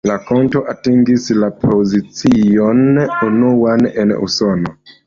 La kanto atingis la pozicion unuan en Usono.